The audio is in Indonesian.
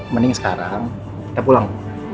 mending sekarang kita pulang